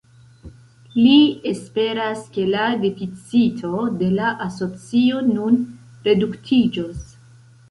Li esperas ke la deficito de la asocio nun reduktiĝos.